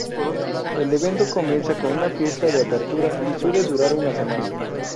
El evento comienza con una fiesta de apertura y suele durar una semana.